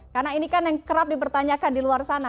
karena ini kan yang kerap dipertanyakan di luar sana